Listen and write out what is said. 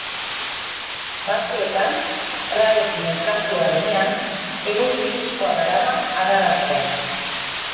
Batzuetan, Rarekin elkartua denean, eguzki-diskoa darama adar artean.